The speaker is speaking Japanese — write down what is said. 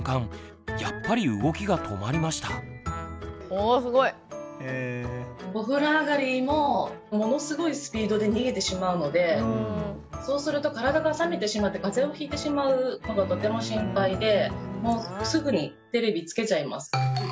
おすごい。お風呂上がりもものすごいスピードで逃げてしまうのでそうすると体が冷めてしまって風邪をひいてしまうのがとても心配でもうすぐにテレビつけちゃいます。